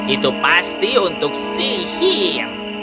itu pasti untuk sihir